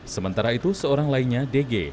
sementara itu seorang lainnya dege